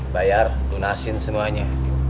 bayar gunasin semuanya